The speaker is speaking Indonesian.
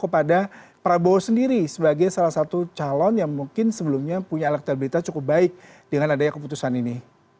kepada prabowo sendiri sebagai salah satu calon yang mungkin sebelumnya punya elektabilitas cukup baik dengan adanya keputusan ini